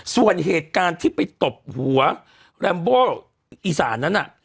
ส่วนเหตุการณ์ที่ไปตบหัวแรมโบอีสานนั้นน่ะ